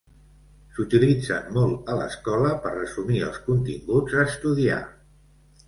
S'utilitzen molt a l'escola per resumir els continguts a estudiar.